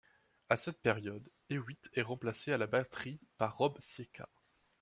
À cette période, Hewitt est remplacé à la batterie par Rob Cieka.